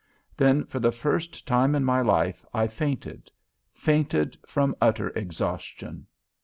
Then, for the first time in my life, I fainted fainted from utter exhaustion.